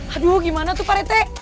aduh gimana tuh pak rete